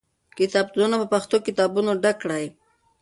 کتابتونونه په پښتو کتابونو ډک کړئ.